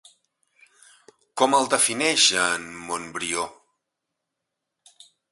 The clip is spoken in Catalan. Com el defineix a en Montbrió?